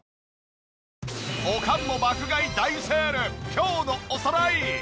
今日のおさらい。